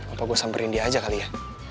apa gue samperin dia aja kali ya